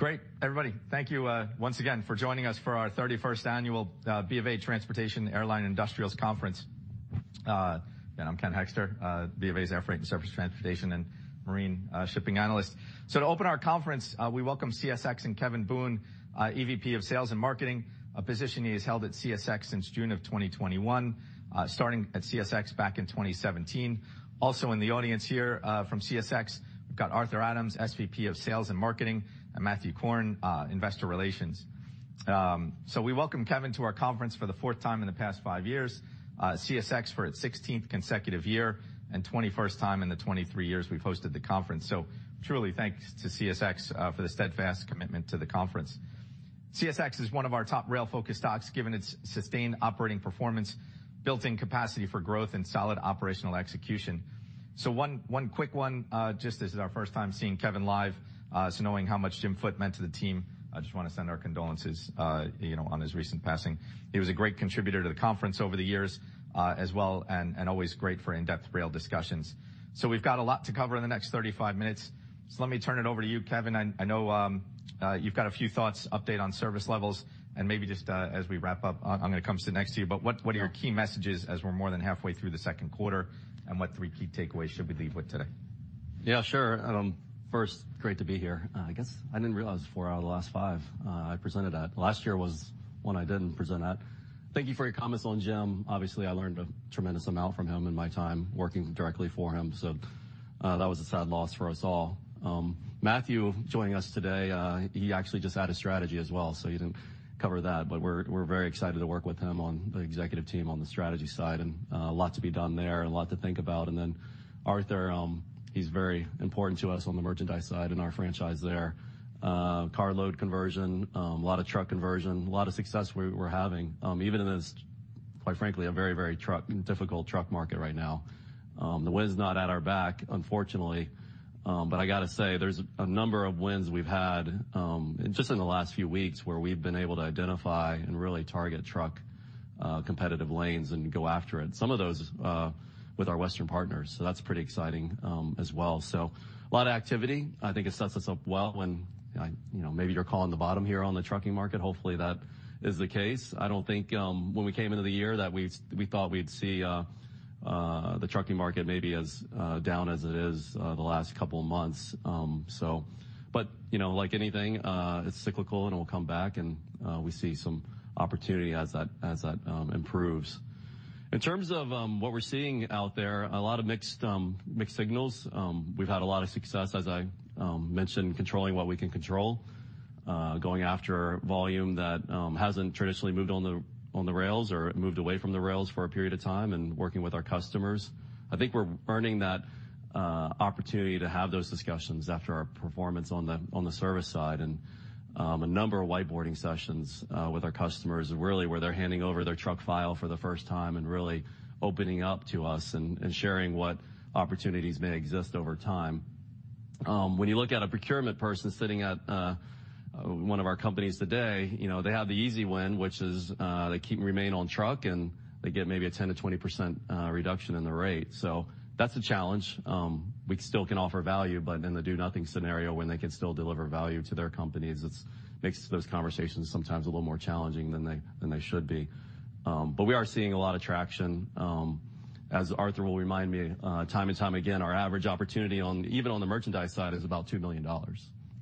Great, everybody. Thank you once again for joining us for our 31st annual BofA Transportation Airline Industrials Conference. I'm Ken Hoexter, BofA's air freight and surface transportation and marine shipping analyst. So to open our conference, we welcome CSX and Kevin Boone, EVP of Sales and Marketing, a position he has held at CSX since June 2021, starting at CSX back in 2017. Also in the audience here from CSX, we've got Arthur Adams, SVP of Sales and Marketing, and Matthew Korn, Investor Relations. So we welcome Kevin to our conference for the fourth time in the past five years, CSX for its 16th consecutive year, and 21st time in the 23 years we've hosted the conference. So truly, thanks to CSX for the steadfast commitment to the conference. CSX is one of our top rail-focused stocks given its sustained operating performance, built-in capacity for growth, and solid operational execution. So, one quick one, just as it's our first time seeing Kevin live, so knowing how much Jim Foote meant to the team, I just wanna send our condolences, you know, on his recent passing. He was a great contributor to the conference over the years, as well, and always great for in-depth rail discussions. So we've got a lot to cover in the next 35 minutes, so let me turn it over to you, Kevin. I know you've got a few thoughts, update on service levels, and maybe just, as we wrap up, I'm gonna come sit next to you. But what, what are your key messages as we're more than halfway through the second quarter, and what three key takeaways should we leave with today? Yeah, sure. First, great to be here. I guess I didn't realize it was 4 out of the last 5 I presented at. Last year was one I didn't present at. Thank you for your comments on Jim. Obviously, I learned a tremendous amount from him in my time working directly for him, so that was a sad loss for us all. Matthew joining us today, he actually just added strategy as well, so he didn't cover that. But we're very excited to work with him on the executive team, on the strategy side, and a lot to be done there and a lot to think about. And then Arthur, he's very important to us on the merchandise side in our franchise there. Carload conversion, a lot of truck conversion, a lot of success we're having, even in this, quite frankly, a very, very difficult truck market right now. The wind's not at our back, unfortunately, but I gotta say, there's a number of wins we've had, just in the last few weeks where we've been able to identify and really target truck-competitive lanes and go after it. Some of those, with our Western partners, so that's pretty exciting, as well. So a lot of activity. I think it sets us up well when, I, you know, maybe you're calling the bottom here on the trucking market. Hopefully, that is the case. I don't think, when we came into the year that we thought we'd see, the trucking market maybe as down as it is, the last couple of months, so. But, you know, like anything, it's cyclical, and it'll come back, and we see some opportunity as that, as that, improves. In terms of what we're seeing out there, a lot of mixed, mixed signals. We've had a lot of success, as I mentioned, controlling what we can control, going after volume that hasn't traditionally moved on the, on the rails or moved away from the rails for a period of time and working with our customers. I think we're earning that opportunity to have those discussions after our performance on the, on the service side. And a number of whiteboarding sessions with our customers is really where they're handing over their truck file for the first time and really opening up to us and sharing what opportunities may exist over time. When you look at a procurement person sitting at one of our companies today, you know, they have the easy win, which is they keep and remain on truck, and they get maybe a 10%-20% reduction in the rate. So that's a challenge. We still can offer value, but in the do-nothing scenario, when they can still deliver value to their companies, it makes those conversations sometimes a little more challenging than they, than they should be. But we are seeing a lot of traction. As Arthur will remind me, time and time again, our average opportunity on even on the merchandise side is about $2 million.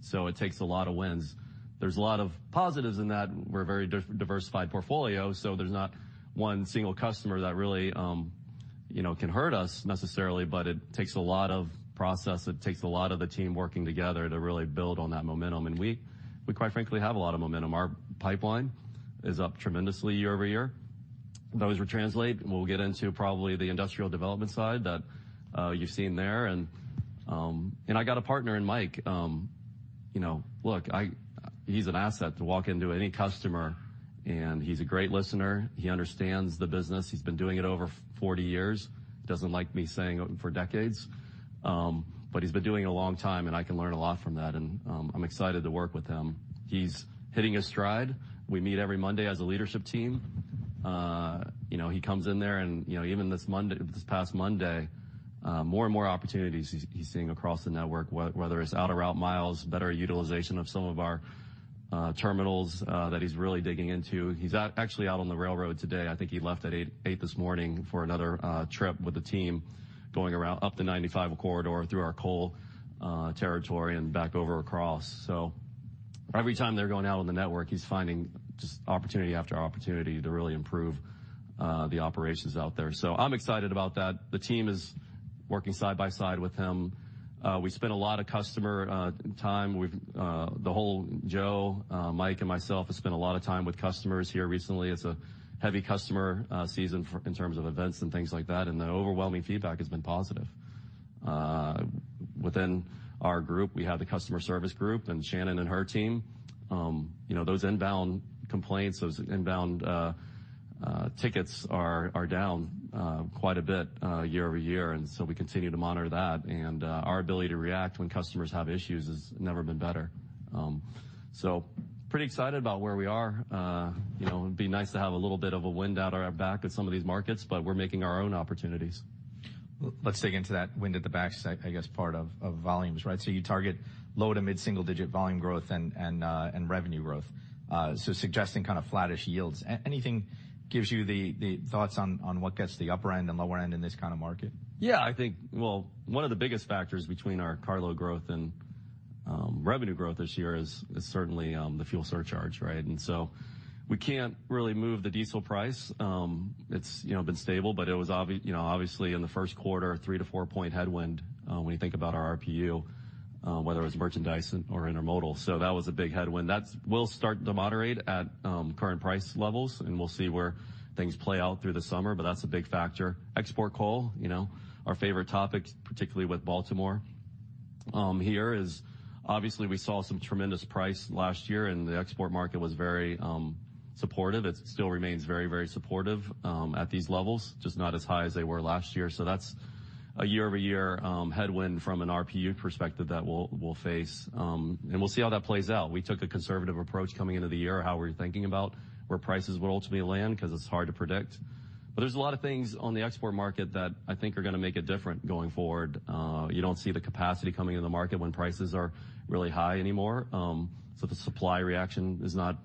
So it takes a lot of wins. There's a lot of positives in that. We're a very diversified portfolio, so there's not one single customer that really, you know, can hurt us necessarily, but it takes a lot of process. It takes a lot of the team working together to really build on that momentum. We quite frankly have a lot of momentum. Our pipeline is up tremendously year-over-year. Those retranslate and we'll get into probably the industrial development side that, you've seen there. I got a partner in Mike, you know, look, he's an asset to walk into any customer, and he's a great listener. He understands the business. He's been doing it over 40 years. He doesn't like me saying it for decades, but he's been doing it a long time, and I can learn a lot from that. I'm excited to work with him. He's hitting his stride. We meet every Monday as a leadership team. You know, he comes in there, and, you know, even this Monday, this past Monday, more and more opportunities he's, he's seeing across the network, whether it's out-of-route miles, better utilization of some of our, terminals, that he's really digging into. He's out actually out on the railroad today. I think he left at 8:00 A.M., 8:00 A.M. this morning for another, trip with the team going around up the 95 corridor through our coal, territory and back over across. So every time they're going out on the network, he's finding just opportunity after opportunity to really improve, the operations out there. So I'm excited about that. The team is working side by side with him. We spend a lot of customer, time. We've, the whole Joe, Mike, and myself have spent a lot of time with customers here recently. It's a heavy customer season for in terms of events and things like that, and the overwhelming feedback has been positive. Within our group, we have the customer service group and Shannon and her team. You know, those inbound complaints, those inbound tickets are down quite a bit year-over-year, and so we continue to monitor that. Our ability to react when customers have issues has never been better. So pretty excited about where we are. You know, it'd be nice to have a little bit of a wind at our back at some of these markets, but we're making our own opportunities. Let's dig into that wind at the back, so I guess part of volumes, right? So you target low to mid-single-digit volume growth and revenue growth, so suggesting kind of flattish yields. Anything gives you the thoughts on what gets the upper end and lower end in this kind of market? Yeah, I think, well, one of the biggest factors between our carload growth and revenue growth this year is certainly the fuel surcharge, right? And so we can't really move the diesel price. It's, you know, been stable, but it was, you know, obviously, in the first quarter, a 3-4-point headwind, when you think about our RPU, whether it was merchandise or intermodal. So that was a big headwind. That'll start to moderate at current price levels, and we'll see where things play out through the summer, but that's a big factor. Export coal, you know, our favorite topic, particularly with Baltimore, here is obviously we saw some tremendous price last year, and the export market was very supportive. It still remains very, very supportive at these levels, just not as high as they were last year. So that's a year-over-year headwind from an RPU perspective that we'll, we'll face, and we'll see how that plays out. We took a conservative approach coming into the year, how we were thinking about where prices would ultimately land 'cause it's hard to predict. But there's a lot of things on the export market that I think are gonna make it different going forward. You don't see the capacity coming in the market when prices are really high anymore. So the supply reaction is not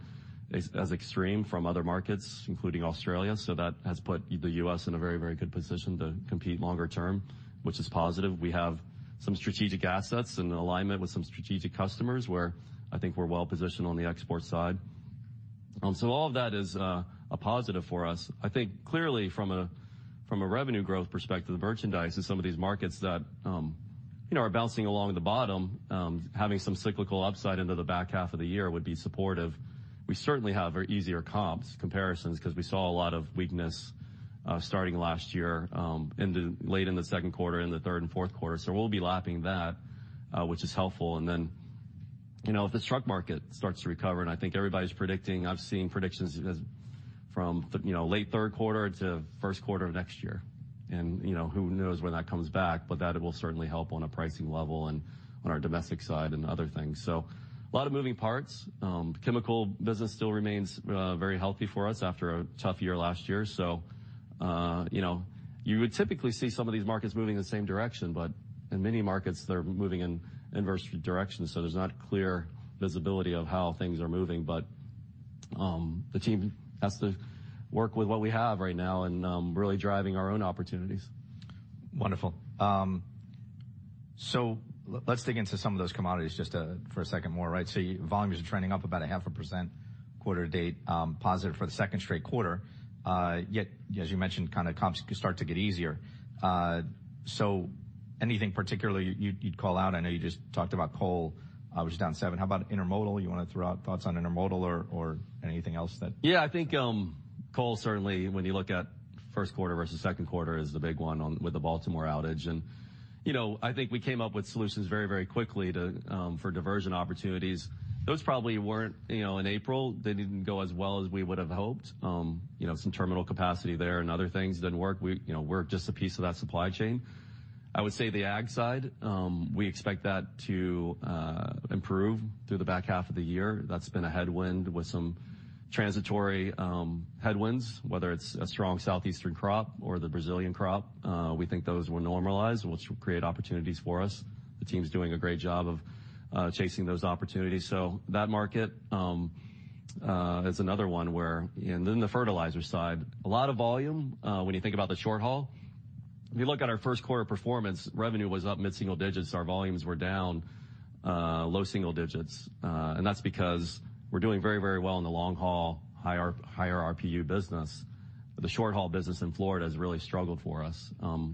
as, as extreme from other markets, including Australia, so that has put the U.S. in a very, very good position to compete longer term, which is positive. We have some strategic assets in alignment with some strategic customers where I think we're well-positioned on the export side. So all of that is, a positive for us. I think clearly, from a revenue growth perspective, the merchandise, some of these markets that, you know, are bouncing along the bottom, having some cyclical upside into the back half of the year would be supportive. We certainly have easier comps, comparisons, 'cause we saw a lot of weakness, starting last year, in the late second quarter, in the third and fourth quarter. So we'll be lapping that, which is helpful. And then, you know, if this truck market starts to recover, and I think everybody's predicting I've seen predictions as from, you know, late third quarter to first quarter of next year. And, you know, who knows when that comes back, but that it will certainly help on a pricing level and on our domestic side and other things. So a lot of moving parts. Chemical business still remains very healthy for us after a tough year last year. So, you know, you would typically see some of these markets moving in the same direction, but in many markets, they're moving in inverse direction, so there's not clear visibility of how things are moving. But, the team has to work with what we have right now and really driving our own opportunities. Wonderful. So let's dig into some of those commodities just for a second more, right? So volumes are trending up about 0.5% quarter to date, positive for the second straight quarter. Yet, as you mentioned, kind of comps start to get easier. So anything particularly you'd call out? I know you just talked about coal. It was down 7%. How about intermodal? You wanna throw out thoughts on intermodal or anything else that? Yeah, I think coal certainly, when you look at first quarter versus second quarter, is the big one on with the Baltimore outage. And, you know, I think we came up with solutions very, very quickly to, for diversion opportunities. Those probably weren't, you know, in April. They didn't go as well as we would have hoped. You know, some terminal capacity there and other things didn't work. We, you know, we're just a piece of that supply chain. I would say the ag side, we expect that to improve through the back half of the year. That's been a headwind with some transitory headwinds, whether it's a strong southeastern crop or the Brazilian crop. We think those were normalized, which will create opportunities for us. The team's doing a great job of chasing those opportunities. So that market is another one where and then the fertilizer side, a lot of volume. When you think about the short haul, if you look at our first quarter performance, revenue was up mid-single digits. Our volumes were down, low single digits. And that's because we're doing very, very well in the long haul, high RPU business. The short haul business in Florida has really struggled for us.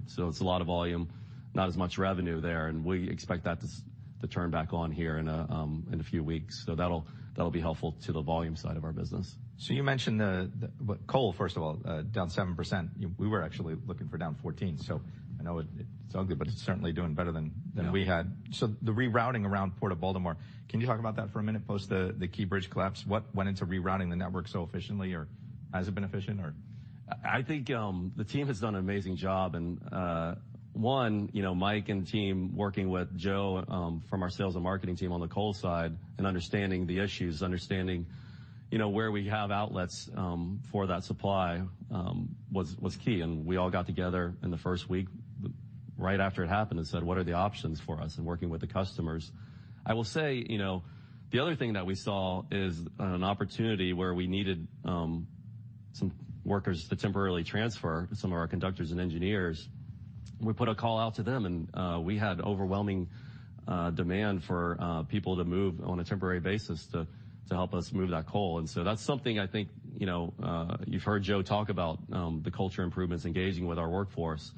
So it's a lot of volume, not as much revenue there, and we expect that to turn back on here in a few weeks. So that'll be helpful to the volume side of our business. So you mentioned the coal, first of all, down 7%. We were actually looking for down 14%, so I know it's ugly, but it's certainly doing better than we had. Yeah. So the rerouting around Port of Baltimore, can you talk about that for a minute post the Key Bridge collapse? What went into rerouting the network so efficiently, or has it been efficient, or? I think the team has done an amazing job. And one, you know, Mike and the team working with Joe, from our sales and marketing team on the coal side and understanding the issues, understanding, you know, where we have outlets for that supply, was key. And we all got together in the first week right after it happened, and said, "What are the options for us?" and working with the customers. I will say, you know, the other thing that we saw is an opportunity where we needed some workers to temporarily transfer to some of our conductors and engineers. We put a call out to them, and we had overwhelming demand for people to move on a temporary basis to help us move that coal. So that's something I think, you know, you've heard Joe talk about, the culture improvements engaging with our workforce.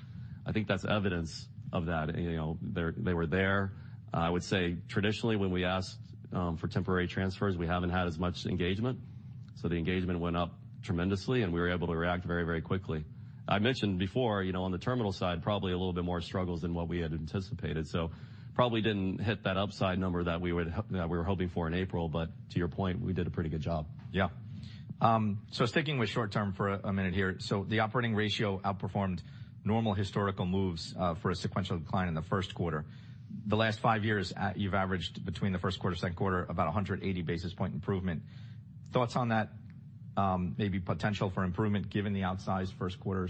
I think that's evidence of that. You know, they were there. I would say traditionally, when we asked for temporary transfers, we haven't had as much engagement. So the engagement went up tremendously, and we were able to react very, very quickly. I mentioned before, you know, on the terminal side, probably a little bit more struggles than what we had anticipated, so probably didn't hit that upside number that we were hoping for in April, but to your point, we did a pretty good job. Yeah. So sticking with short term for a minute here. So the operating ratio outperformed normal historical moves for a sequential decline in the first quarter. The last five years, you've averaged between the first quarter and second quarter about 180 basis points improvement. Thoughts on that, maybe potential for improvement given the outsized first quarter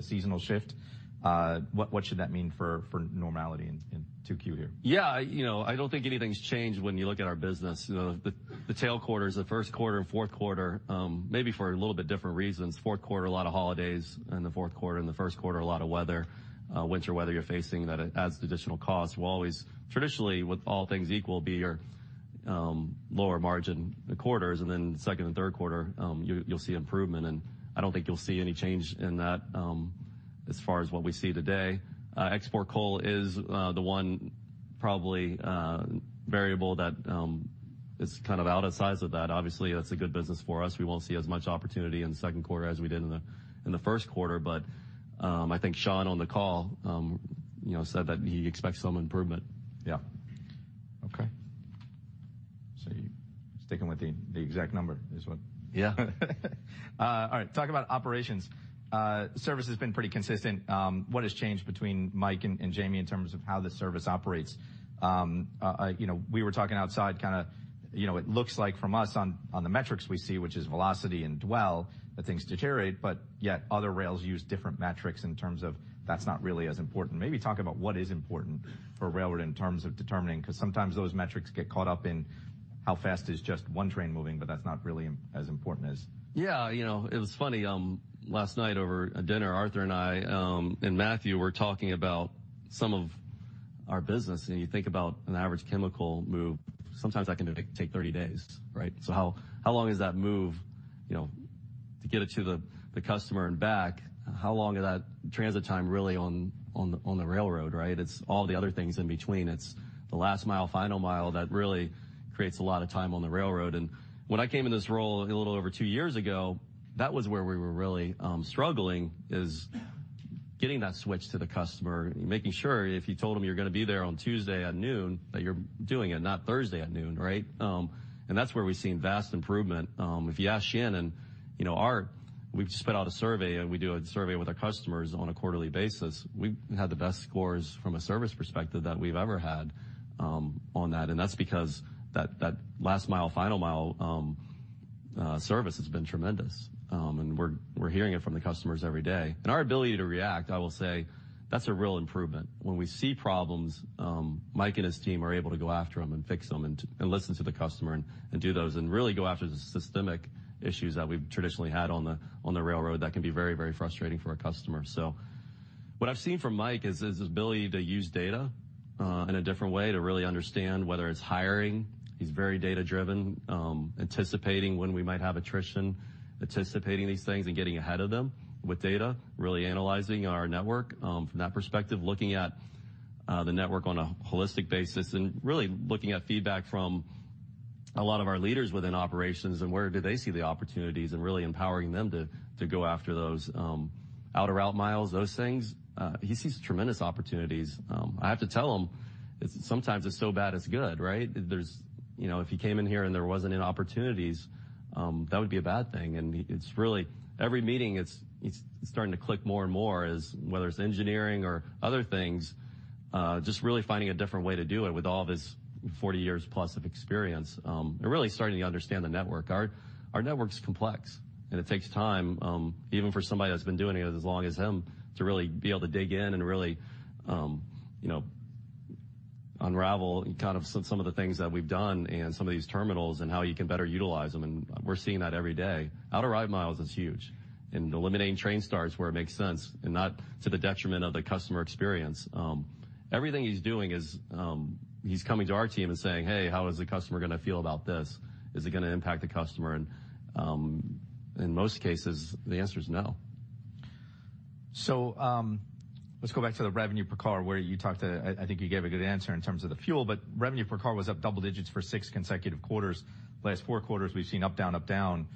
seasonal shift? What should that mean for normality in 2Q here? Yeah, I, you know, I don't think anything's changed when you look at our business. You know, the tail quarters, the first quarter and fourth quarter, maybe for a little bit different reasons. Fourth quarter, a lot of holidays in the fourth quarter. In the first quarter, a lot of weather, winter weather you're facing that it adds additional cost. We'll always traditionally, with all things equal, be your lower margin quarters, and then second and third quarter, you'll see improvement. And I don't think you'll see any change in that, as far as what we see today. Export coal is the one probably variable that is kind of out of size of that. Obviously, that's a good business for us. We won't see as much opportunity in the second quarter as we did in the first quarter, but I think Sean on the call, you know, said that he expects some improvement. Yeah. Okay. So you sticking with the exact number is what? Yeah. All right. Talk about operations. Service has been pretty consistent. What has changed between Mike and, and Jamie in terms of how the service operates? You know, we were talking outside kinda, you know, it looks like from us on, on the metrics we see, which is velocity and dwell, that things deteriorate, but yet other rails use different metrics in terms of that's not really as important. Maybe talk about what is important for railroad in terms of determining 'cause sometimes those metrics get caught up in how fast is just one train moving, but that's not really as important as. Yeah, you know, it was funny. Last night over a dinner, Arthur and I, and Matthew were talking about some of our business, and you think about an average chemical move, sometimes that can take, take 30 days, right? So how, how long is that move, you know, to get it to the, the customer and back? How long of that transit time really on, on the railroad, right? It's all the other things in between. It's the last mile, final mile that really creates a lot of time on the railroad. And when I came in this role a little over 2 years ago, that was where we were really, struggling is getting that switch to the customer, making sure if you told them you're gonna be there on Tuesday at noon, that you're doing it, not Thursday at noon, right? That's where we've seen vast improvement. If you ask Shannon and, you know, Art, we've just put out a survey, and we do a survey with our customers on a quarterly basis. We've had the best scores from a service perspective that we've ever had, on that. That's because that, that last mile, final mile, service has been tremendous. We're, we're hearing it from the customers every day. Our ability to react, I will say, that's a real improvement. When we see problems, Mike and his team are able to go after them and fix them and listen to the customer and do those and really go after the systemic issues that we've traditionally had on the railroad that can be very, very frustrating for a customer. So what I've seen from Mike is his ability to use data in a different way to really understand whether it's hiring. He's very data-driven, anticipating when we might have attrition, anticipating these things, and getting ahead of them with data, really analyzing our network from that perspective, looking at the network on a holistic basis, and really looking at feedback from a lot of our leaders within operations and where do they see the opportunities and really empowering them to go after those out-of-route miles, those things. He sees tremendous opportunities. I have to tell him it's sometimes so bad, it's good, right? There's, you know, if he came in here and there wasn't any opportunities, that would be a bad thing. And he, it's really every meeting. It's starting to click more and more as to whether it's engineering or other things, just really finding a different way to do it with all of his 40 years plus of experience, and really starting to understand the network. Art, our network's complex, and it takes time, even for somebody that's been doing it as long as him to really be able to dig in and really, you know, unravel kind of some of the things that we've done and some of these terminals and how you can better utilize them. And we're seeing that every day. Out-of-route miles, it's huge, and eliminating train starts where it makes sense and not to the detriment of the customer experience. Everything he's doing is, he's coming to our team and saying, "Hey, how is the customer gonna feel about this? Is it gonna impact the customer? In most cases, the answer's no. So, let's go back to the revenue per car where you talked to, I think you gave a good answer in terms of the fuel, but revenue per car was up double digits for six consecutive quarters. Last four quarters, we've seen up down, up down.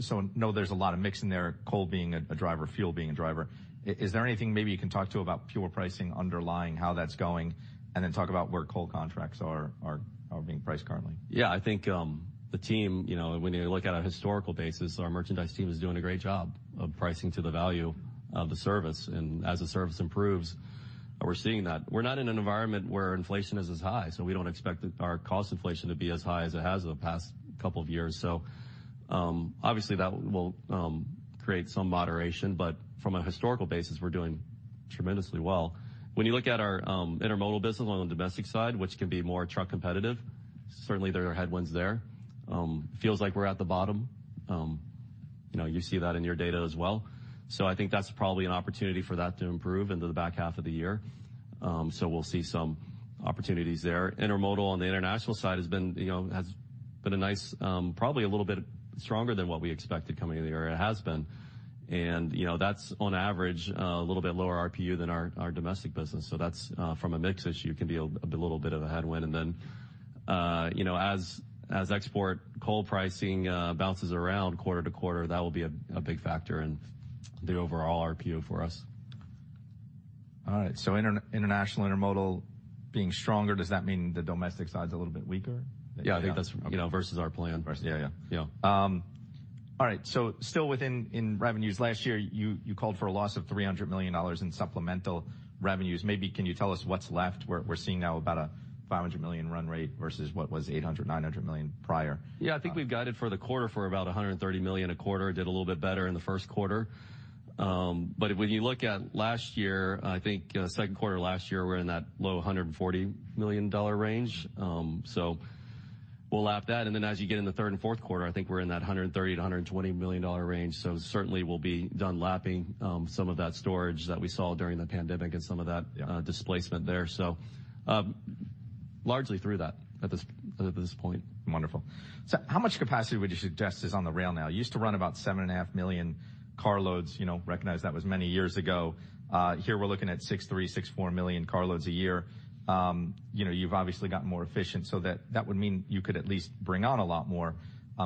So no, there's a lot of mix in there, coal being a driver, fuel being a driver. Is there anything maybe you can talk to about fuel pricing underlying how that's going, and then talk about where coal contracts are being priced currently? Yeah, I think the team, you know, when you look at a historical basis, our merchandise team is doing a great job of pricing to the value of the service. And as the service improves, we're seeing that. We're not in an environment where inflation is as high, so we don't expect our cost inflation to be as high as it has in the past couple of years. So, obviously, that will create some moderation, but from a historical basis, we're doing tremendously well. When you look at our intermodal business on the domestic side, which can be more truck competitive, certainly, there are headwinds there. Feels like we're at the bottom. You know, you see that in your data as well. So I think that's probably an opportunity for that to improve into the back half of the year. So we'll see some opportunities there. Intermodal on the international side has been, you know, has been a nice, probably a little bit stronger than what we expected coming into the area. It has been. And, you know, that's on average, a little bit lower RPU than our, our domestic business. So that's, from a mix issue, can be a, a little bit of a headwind. And then, you know, as, as export coal pricing, bounces around quarter to quarter, that will be a, a big factor in the overall RPU for us. All right. So inter-international intermodal being stronger, does that mean the domestic side's a little bit weaker? Yeah, I think that's, you know, versus our plan. Versus yeah, yeah. Yeah. All right. So still within, in revenues last year, you, you called for a loss of $300 million in supplemental revenues. Maybe can you tell us what's left? We're, we're seeing now about a $500 million run rate versus what was $800-$900 million prior. Yeah, I think we've guided for the quarter for about $130 million a quarter. It did a little bit better in the first quarter. But when you look at last year, I think, second quarter last year, we're in that low $140 million range. So we'll lap that. And then as you get in the third and fourth quarter, I think we're in that $130 million-$120 million range. So certainly, we'll be done lapping, some of that storage that we saw during the pandemic and some of that, displacement there. So, largely through that at this at this point. Wonderful. So how much capacity would you suggest is on the rail now? You used to run about 7.5 million carloads. You know, recognize that was many years ago. Here, we're looking at 63, 64 million carloads a year. You know, you've obviously gotten more efficient, so that, that would mean you could at least bring on a lot more.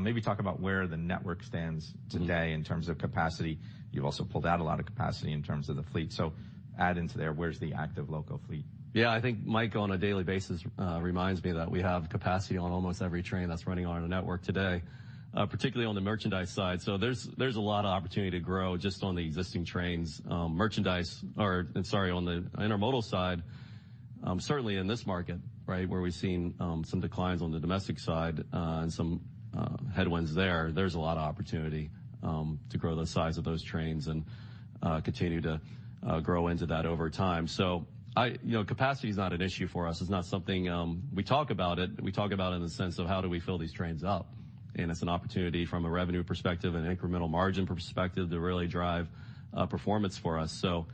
Maybe talk about where the network stands today in terms of capacity. You've also pulled out a lot of capacity in terms of the fleet. So add into there, where's the active local fleet? Yeah, I think Mike, on a daily basis, reminds me that we have capacity on almost every train that's running on our network today, particularly on the merchandise side. So there's, there's a lot of opportunity to grow just on the existing trains. Merchandise or, and sorry, on the intermodal side, certainly in this market, right, where we've seen some declines on the domestic side, and some headwinds there, there's a lot of opportunity to grow the size of those trains and continue to grow into that over time. So I, you know, capacity's not an issue for us. It's not something we talk about it. We talk about it in the sense of how do we fill these trains up? And it's an opportunity from a revenue perspective and incremental margin perspective to really drive performance for us. So,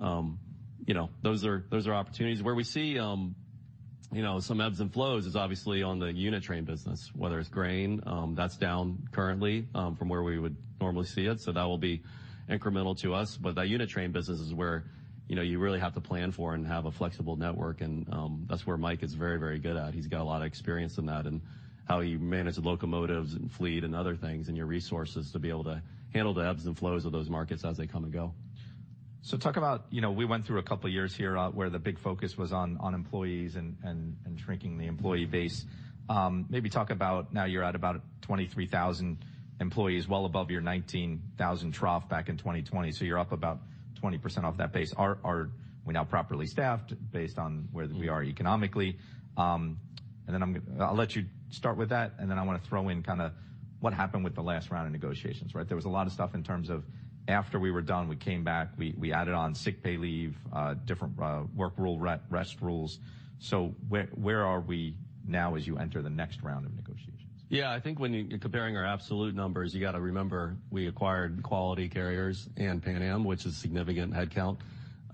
you know, those are those are opportunities. Where we see, you know, some ebbs and flows is obviously on the unit train business, whether it's grain. That's down currently, from where we would normally see it. So that will be incremental to us. But that unit train business is where, you know, you really have to plan for and have a flexible network, and that's where Mike is very, very good at. He's got a lot of experience in that and how he manages locomotives and fleet and other things and your resources to be able to handle the ebbs and flows of those markets as they come and go. So talk about, you know, we went through a couple of years here, where the big focus was on employees and shrinking the employee base. Maybe talk about now you're at about 23,000 employees, well above your 19,000 trough back in 2020. So you're up about 20% off that base. Art, are we now properly staffed based on where we are economically? And then I'm gonna. I'll let you start with that, and then I wanna throw in kinda what happened with the last round of negotiations, right? There was a lot of stuff in terms of after we were done, we came back, we added on sick pay leave, different work rule re rest rules. So where are we now as you enter the next round of negotiations? Yeah, I think when you comparing our absolute numbers, you gotta remember we acquired Quality Carriers and Pan Am, which is a significant headcount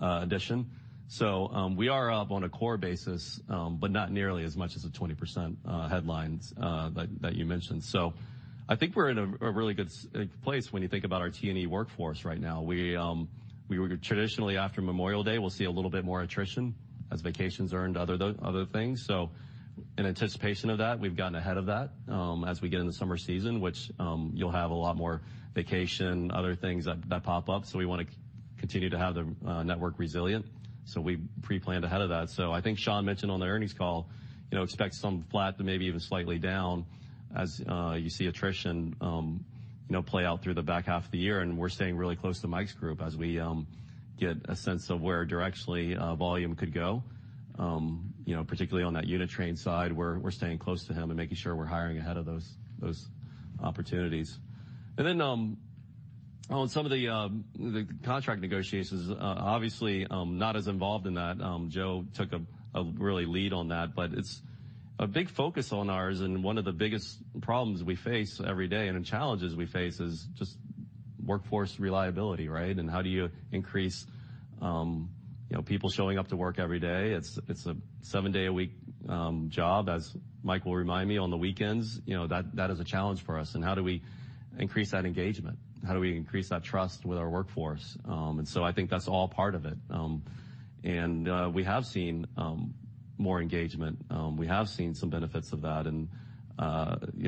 addition. So, we are up on a core basis, but not nearly as much as the 20% headlines that you mentioned. So I think we're in a really good place when you think about our T&E workforce right now. We were traditionally after Memorial Day, we'll see a little bit more attrition as vacations earned, other things. So in anticipation of that, we've gotten ahead of that, as we get into summer season, which, you'll have a lot more vacation, other things that pop up. So we wanna continue to have the network resilient. So we preplanned ahead of that. So I think Sean mentioned on the earnings call, you know, expect some flat to maybe even slightly down as you see attrition, you know, play out through the back half of the year. And we're staying really close to Mike's group as we get a sense of where directionally volume could go, you know, particularly on that unit train side. We're staying close to him and making sure we're hiring ahead of those opportunities. And then on some of the contract negotiations, obviously, not as involved in that. Joe took a really lead on that, but it's a big focus on ours. And one of the biggest problems we face every day and challenges we face is just workforce reliability, right? And how do you increase, you know, people showing up to work every day? It's a seven-day-a-week job. As Mike will remind me, on the weekends, you know, that, that is a challenge for us. How do we increase that engagement? How do we increase that trust with our workforce? So I think that's all part of it. We have seen more engagement. We have seen some benefits of that, you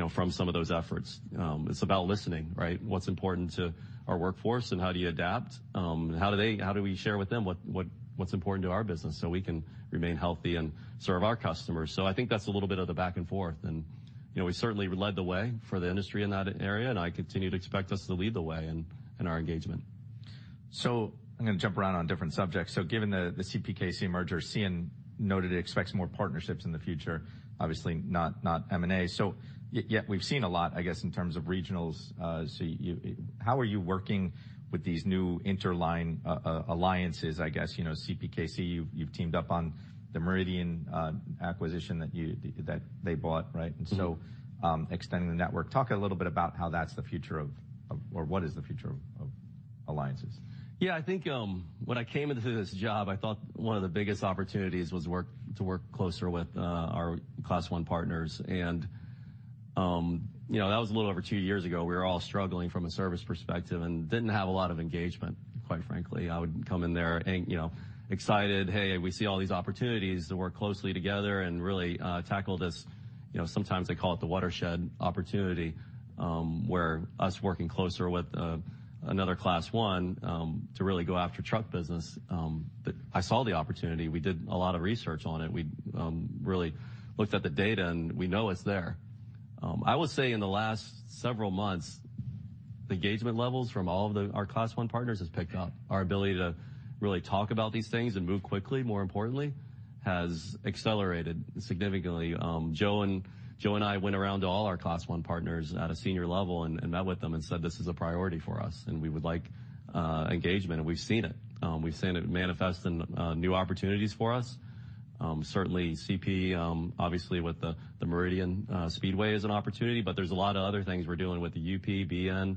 know, from some of those efforts. It's about listening, right? What's important to our workforce, and how do you adapt? How do we share with them what, what, what's important to our business so we can remain healthy and serve our customers? So I think that's a little bit of the back and forth. You know, we certainly led the way for the industry in that area, and I continue to expect us to lead the way in our engagement. So I'm gonna jump around on different subjects. So given the CPKC merger, CN noted it expects more partnerships in the future, obviously, not M&A. Yet we've seen a lot, I guess, in terms of regionals. So you, how are you working with these new interline alliances, I guess? You know, CPKC, you've teamed up on the Meridian acquisition that they bought, right? And so, extending the network, talk a little bit about how that's the future of or what is the future of alliances. Yeah, I think, when I came into this job, I thought one of the biggest opportunities was to work closer with our Class I partners. And, you know, that was a little over two years ago. We were all struggling from a service perspective and didn't have a lot of engagement, quite frankly. I would come in there and you know, excited, "Hey, we see all these opportunities to work closely together and really tackle this," you know, sometimes they call it the watershed opportunity, where us working closer with another Class I, to really go after truck business, that I saw the opportunity. We did a lot of research on it. We really looked at the data, and we know it's there. I would say in the last several months, the engagement levels from all of our Class I partners has picked up. Our ability to really talk about these things and move quickly, more importantly, has accelerated significantly. Joe and Joe and I went around to all our Class I partners at a senior level and met with them and said, "This is a priority for us, and we would like engagement." And we've seen it. We've seen it manifest in new opportunities for us. Certainly, CP, obviously, with the Meridian Speedway is an opportunity, but there's a lot of other things we're doing with the UP, BN,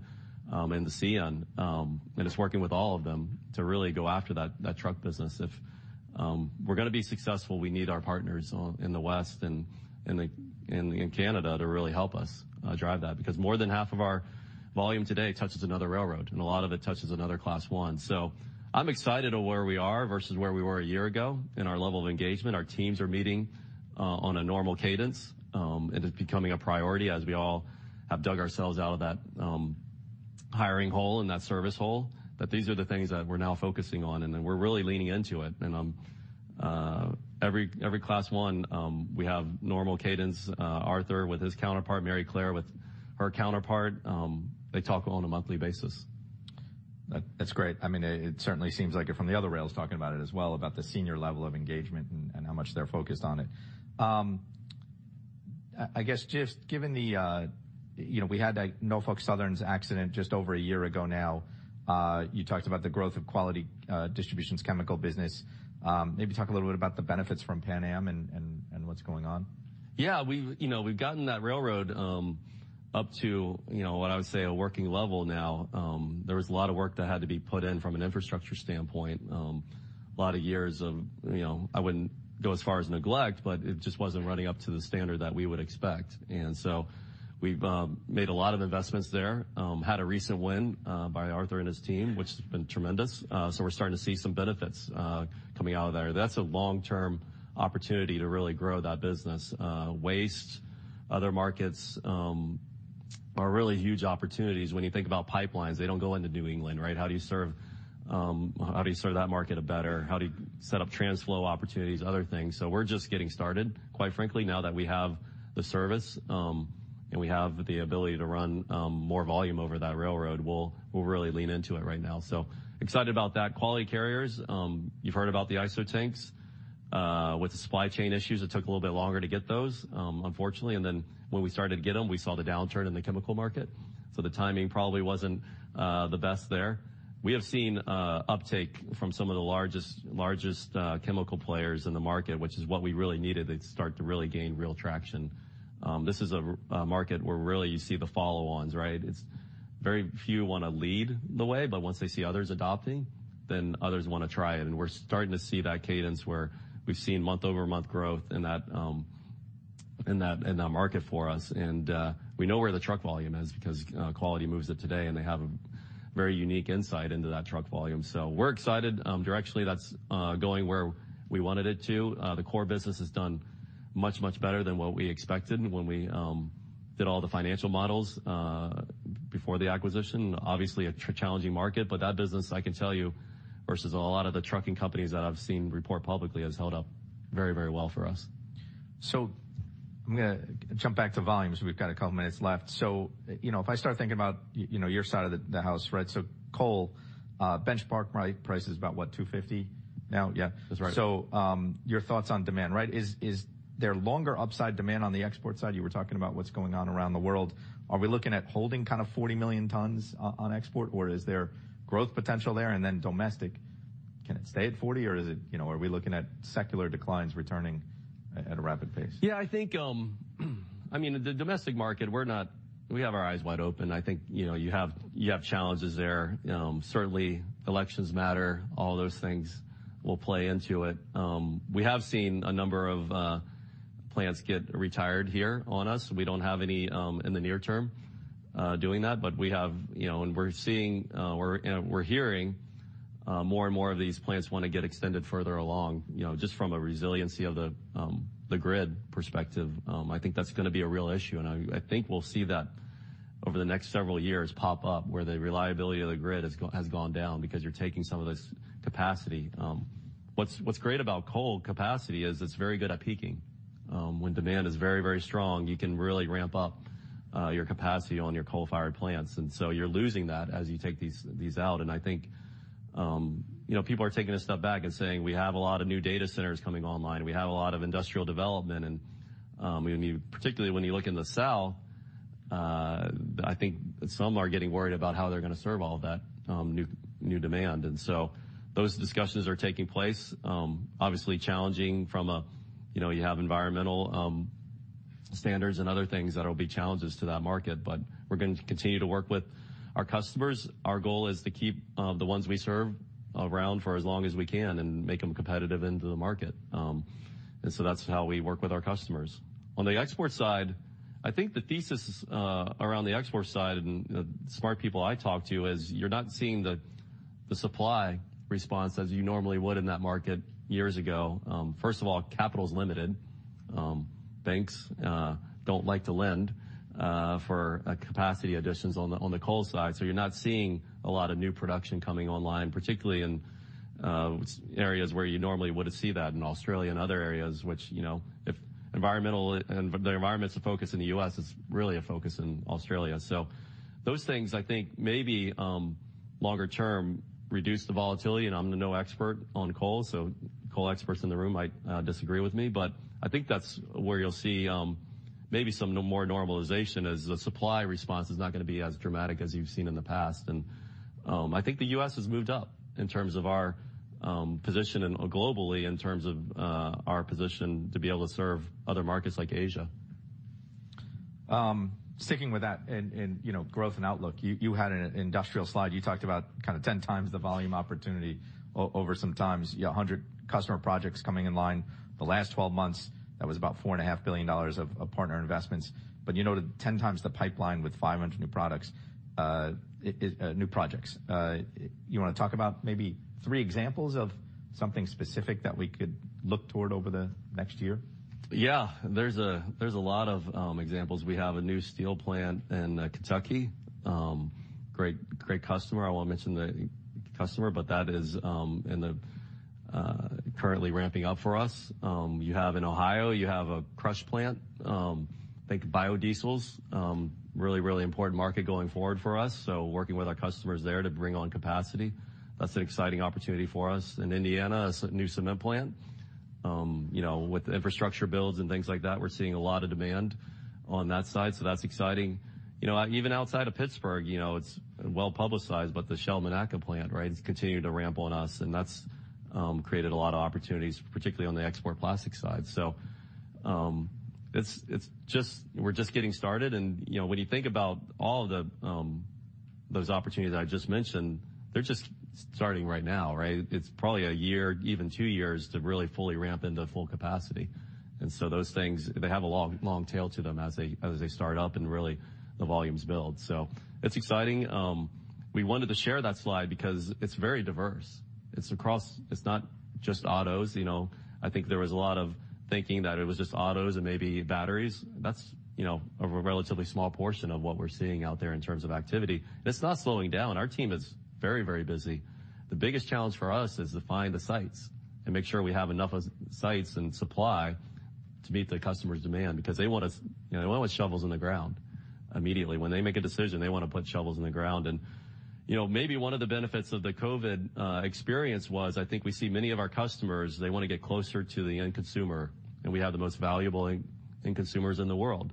and the CN. And it's working with all of them to really go after that truck business. If we're gonna be successful, we need our partners in the west and in Canada to really help us drive that because more than half of our volume today touches another railroad, and a lot of it touches another Class I. So I'm excited at where we are versus where we were a year ago in our level of engagement. Our teams are meeting on a normal cadence, and it's becoming a priority as we all have dug ourselves out of that hiring hole and that service hole that these are the things that we're now focusing on, and then we're really leaning into it. Every Class I, we have normal cadence. Arthur with his counterpart, Maryclare with her counterpart, they talk on a monthly basis. That, that's great. I mean, it, it certainly seems like you're hearing from the other rails talking about it as well, about the senior level of engagement and, and how much they're focused on it. I, I guess just given the, you know, we had that Norfolk Southern's accident just over a year ago now. You talked about the growth of Quality Carriers chemical business. Maybe talk a little bit about the benefits from Pan Am and, and, and what's going on. Yeah, we've, you know, we've gotten that railroad up to, you know, what I would say a working level now. There was a lot of work that had to be put in from an infrastructure standpoint, a lot of years of, you know, I wouldn't go as far as neglect, but it just wasn't running up to the standard that we would expect. And so we've made a lot of investments there, had a recent win by Arthur and his team, which has been tremendous. So we're starting to see some benefits coming out of there. That's a long-term opportunity to really grow that business. Waste, other markets, are really huge opportunities. When you think about pipelines, they don't go into New England, right? How do you serve, how do you serve that market better? How do you set up TRANSFLO opportunities, other things? So we're just getting started, quite frankly, now that we have the service, and we have the ability to run more volume over that railroad. We'll, we'll really lean into it right now. So excited about that. Quality Carriers, you've heard about the ISO tanks, with the supply chain issues. It took a little bit longer to get those, unfortunately. And then when we started to get them, we saw the downturn in the chemical market. So the timing probably wasn't the best there. We have seen uptake from some of the largest, largest, chemical players in the market, which is what we really needed to start to really gain real traction. This is a market where really you see the follow-ons, right? It's very few wanna lead the way, but once they see others adopting, then others wanna try it. And we're starting to see that cadence where we've seen month-over-month growth in that market for us. And we know where the truck volume is because Quality moves it today, and they have a very unique insight into that truck volume. So we're excited, directionally. That's going where we wanted it to. The core business has done much, much better than what we expected when we did all the financial models before the acquisition. Obviously, a truly challenging market, but that business, I can tell you, versus a lot of the trucking companies that I've seen report publicly, has held up very, very well for us. So I'm gonna jump back to volumes. We've got a couple minutes left. So, you know, if I start thinking about, you know, your side of the house, right? So coal, benchmark price is about, what, $250 now? Yeah? That's right. So, your thoughts on demand, right? Is there longer upside demand on the export side? You were talking about what's going on around the world. Are we looking at holding kinda 40 million tons on export, or is there growth potential there? And then domestic, can it stay at 40, or is it, you know, are we looking at secular declines returning at a rapid pace? Yeah, I think, I mean, the domestic market, we're not, we have our eyes wide open. I think, you know, you have challenges there. Certainly, elections matter. All those things will play into it. We have seen a number of plants get retired here on us. We don't have any in the near term doing that. But we have, you know, and we're seeing, we're hearing, more and more of these plants wanna get extended further along, you know, just from a resiliency of the grid perspective. I think that's gonna be a real issue. And I think we'll see that over the next several years pop up where the reliability of the grid has gone down because you're taking some of this capacity. What's great about coal capacity is it's very good at peaking. When demand is very, very strong, you can really ramp up your capacity on your coal-fired plants. And so you're losing that as you take these out. And I think, you know, people are taking a step back and saying, "We have a lot of new data centers coming online. We have a lot of industrial development." And when you particularly look in the cell, I think some are getting worried about how they're gonna serve all of that new demand. And so those discussions are taking place, obviously challenging from a, you know, you have environmental standards and other things that'll be challenges to that market. But we're gonna continue to work with our customers. Our goal is to keep the ones we serve around for as long as we can and make them competitive into the market. And so that's how we work with our customers. On the export side, I think the thesis around the export side and smart people I talk to is you're not seeing the supply response as you normally would in that market years ago. First of all, capital's limited. Banks don't like to lend for capacity additions on the coal side. So you're not seeing a lot of new production coming online, particularly in areas where you normally wouldn't see that in Australia and other areas, which you know if environmental issues and the environment's a focus in the U.S., it's really a focus in Australia. So those things I think maybe longer term reduce the volatility. And I'm no expert on coal, so coal experts in the room might disagree with me. But I think that's where you'll see, maybe some no more normalization as the supply response is not gonna be as dramatic as you've seen in the past. And I think the U.S. has moved up in terms of our position in globally in terms of our position to be able to serve other markets like Asia. Sticking with that and, you know, growth and outlook, you had an industrial slide. You talked about kinda 10 times the volume opportunity over some times, you know, 100 customer projects coming in line. The last 12 months, that was about $4.5 billion of partner investments. But you noted 10 times the pipeline with 500 new projects. You wanna talk about maybe three examples of something specific that we could look toward over the next year? Yeah, there's a lot of examples. We have a new steel plant in Kentucky, great, great customer. I won't mention the customer, but that is currently ramping up for us. You have in Ohio, you have a crush plant, I think biodiesel's really, really important market going forward for us. So working with our customers there to bring on capacity, that's an exciting opportunity for us. In Indiana, a new cement plant, you know, with infrastructure builds and things like that, we're seeing a lot of demand on that side. So that's exciting. You know, even outside of Pittsburgh, you know, it's well publicized, but the Shell Monaca plant, right, has continued to ramp on us. And that's created a lot of opportunities, particularly on the export plastic side. So, it's just we're just getting started. You know, when you think about all of the, those opportunities I just mentioned, they're just starting right now, right? It's probably a year, even two years, to really fully ramp into full capacity. So those things, they have a long, long tail to them as they start up and really the volumes build. So it's exciting. We wanted to share that slide because it's very diverse. It's across. It's not just autos, you know. I think there was a lot of thinking that it was just autos and maybe batteries. That's, you know, a relatively small portion of what we're seeing out there in terms of activity. It's not slowing down. Our team is very, very busy. The biggest challenge for us is to find the sites and make sure we have enough of sites and supply to meet the customer's demand because they want us you know, they don't want shovels in the ground immediately. When they make a decision, they wanna put shovels in the ground. And, you know, maybe one of the benefits of the COVID experience was I think we see many of our customers, they wanna get closer to the end consumer, and we have the most valuable end consumers in the world.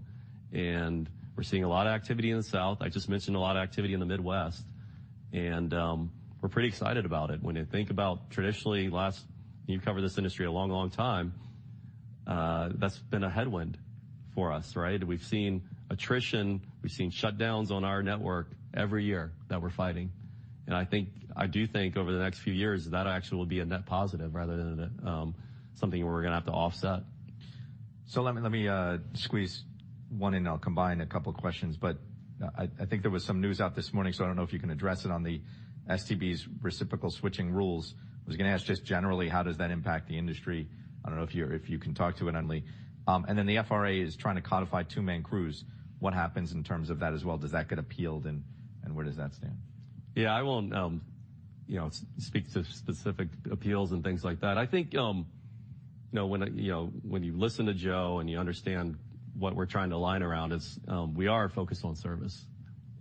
And we're seeing a lot of activity in the South. I just mentioned a lot of activity in the Midwest. And, we're pretty excited about it. When you think about traditionally, last you've covered this industry a long, long time. That's been a headwind for us, right? We've seen attrition. We've seen shutdowns on our network every year that we're fighting. And I think I do think over the next few years, that actually will be a net positive rather than a, something where we're gonna have to offset. So let me squeeze one in. I'll combine a couple questions. But I think there was some news out this morning, so I don't know if you can address it on the STB's reciprocal switching rules. I was gonna ask just generally, how does that impact the industry? I don't know if you can talk to it, Emily. And then the FRA is trying to codify two-man crews. What happens in terms of that as well? Does that get appealed, and where does that stand? Yeah, I won't, you know, speak to specific appeals and things like that. I think, you know, when I you know, when you listen to Joe and you understand what we're trying to line around, it's, we are focused on service,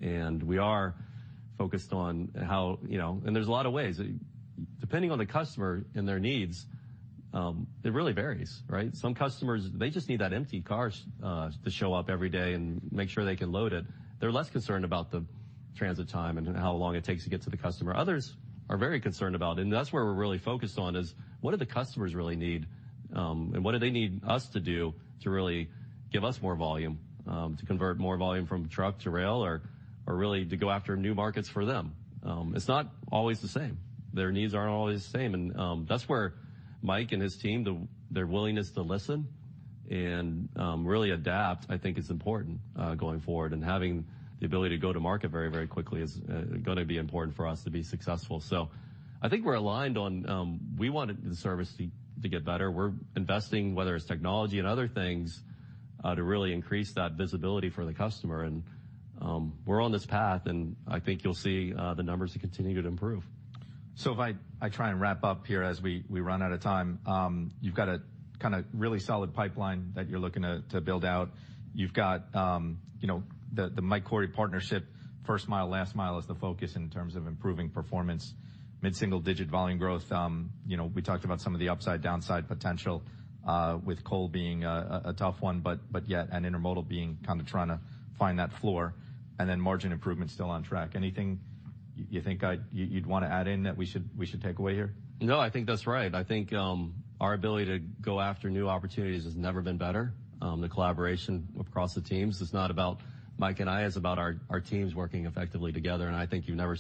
and we are focused on how, you know and there's a lot of ways. Depending on the customer and their needs, it really varies, right? Some customers, they just need that empty car should to show up every day and make sure they can load it. They're less concerned about the transit time and how long it takes to get to the customer. Others are very concerned about it. And that's where we're really focused on is what do the customers really need, and what do they need us to do to really give us more volume, to convert more volume from truck to rail or really to go after new markets for them? It's not always the same. Their needs aren't always the same. And that's where Mike and his team, the way their willingness to listen and really adapt, I think, is important going forward. And having the ability to go to market very, very quickly is gonna be important for us to be successful. So I think we're aligned on we wanted the service to get better. We're investing, whether it's technology and other things, to really increase that visibility for the customer. And we're on this path, and I think you'll see the numbers continue to improve. So if I try and wrap up here as we run out of time, you've got a kinda really solid pipeline that you're looking to build out. You've got, you know, the Mike Cory partnership, first mile, last mile is the focus in terms of improving performance, mid-single digit volume growth. You know, we talked about some of the upside, downside potential, with coal being a tough one, but yet, and Intermodal being kinda trying to find that floor. And then margin improvement's still on track. Anything you think you'd wanna add in that we should take away here? No, I think that's right. I think our ability to go after new opportunities has never been better. The collaboration across the teams is not about Mike and I. It's about our, our teams working effectively together. And I think you've never,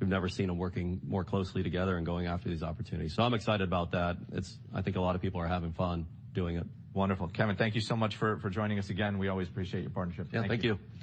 we've never seen them working more closely together and going after these opportunities. So I'm excited about that. It's, I think, a lot of people are having fun doing it. Wonderful. Kevin, thank you so much for joining us again. We always appreciate your partnership. Yeah, thank you.